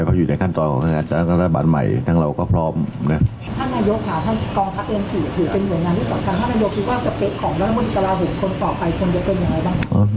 เพราะอยู่ในขั้นตอนของทางรัฐบาลใหม่ทั้งเราก็พร้อมเนี่ย